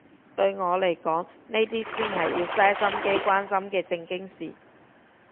對我嚟講呢啲先係要嘥心機關心嘅正經事